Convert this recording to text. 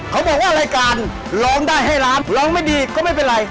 เขาบอกว่ารายการร้องได้ให้ล้านร้องไม่ดีก็ไม่เป็นไร